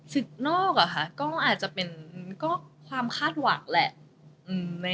นอกอะค่ะก็อาจจะเป็นก็ความคาดหวังแหละ